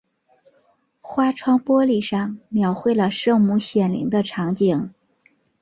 花窗玻璃上描绘了圣母显灵的场景。